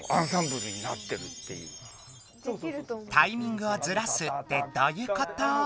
タイミングをずらすってどういうこと？